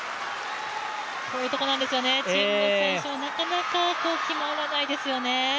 こういうところなんですよね、陳夢選手もなかなか決まらないですよね。